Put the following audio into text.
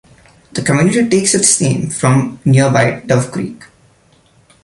The community takes its name from nearby Dove Creek.